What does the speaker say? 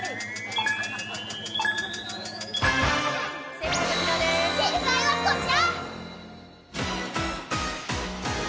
正解はこちら。